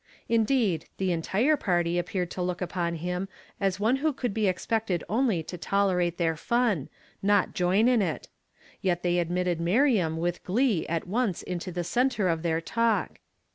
Indeed, the entire party appeared to look upon hira as one who could be expected only to toler ate their fun, not join in it; yet they admitted Miriam with glee at once into the centre of their talk.